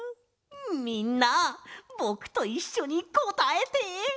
みんなぼくといっしょにこたえて！